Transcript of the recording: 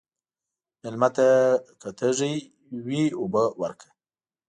مېلمه ته که تږی وي، اوبه ورکړه.